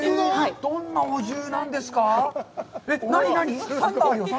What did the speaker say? どんなお重なんですか？